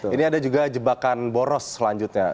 ini ada juga jebakan boros selanjutnya